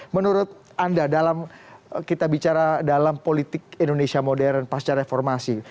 menurut anda dalam kita bicara dalam politik indonesia modern pasca reformasi